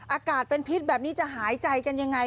อากาศเป็นพิษแบบนี้จะหายใจกันยังไง